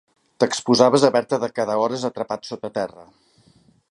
T'exposaves a haver-te de quedar hores atrapat sota terra.